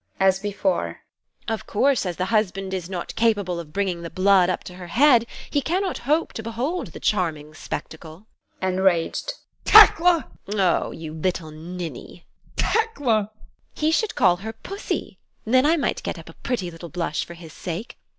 [As before] Of course, as the husband is not capable of bringing the blood up to her head, he cannot hope to behold the charming spectacle. ADOLPH. [Enraged] Tekla! TEKLA. Oh, you little ninny! ADOLPH. Tekla! TEKLA. He should call her Pussy then I might get up a pretty little blush for his sake.